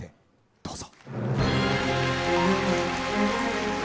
どうぞ。